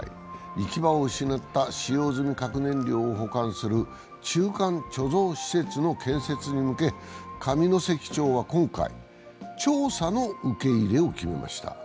行き場を失った使用済み核燃料を保管する中間貯蔵施設の建設に向け上関町は今回、調査の受け入れを決めました。